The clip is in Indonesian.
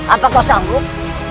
apa kau sanggup